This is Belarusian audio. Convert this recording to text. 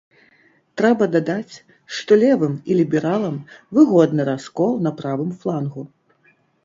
Трэба дадаць, што левым і лібералам выгодны раскол на правым флангу.